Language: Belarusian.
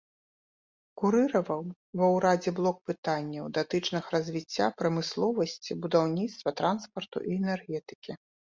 Курыраваў ва ўрадзе блок пытанняў, датычных развіцця прамысловасці, будаўніцтвы, транспарту і энергетыкі.